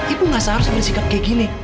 ibu gak seharusnya bersikap kayak gini